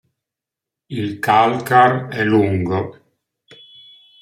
Il calcar è lungo.